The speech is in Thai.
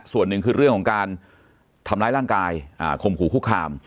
ส่วนหนึ่งคือเรื่องของการทำร้ายร่างกายคมขู่คุกคาม